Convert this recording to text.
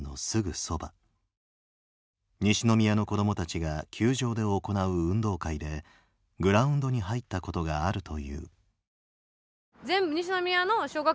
西宮の子どもたちが球場で行う運動会でグラウンドに入ったことがあるという。